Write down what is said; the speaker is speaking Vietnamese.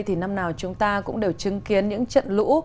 thì năm nào chúng ta cũng đều chứng kiến những trận lũ